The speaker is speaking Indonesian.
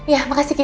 ya makasih ki